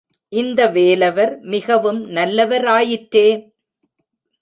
இந்த வேலவர் மிகவும் நல்லவர் ஆயிற்றே.